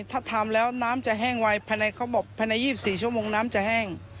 ถ้าทำแล้วน้ำจะแห้งไวเขาบอกภายใน๒๔ชั่วโมงน้ำจะแห้ง